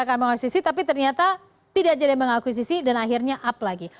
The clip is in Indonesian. charon pogpeng bisa mengakuisisi tapi ternyata tidak jadi mengakuisisi dan akhirnya up lagi